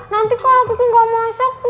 nanti kalau kiki gak masak bu